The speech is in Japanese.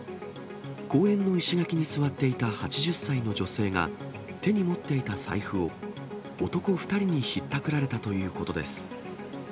公園の石垣に座っていた８０歳の女性が、手に持っていた財布を男２人にひったくられたということです。